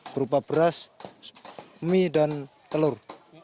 berupa beras mie dan telur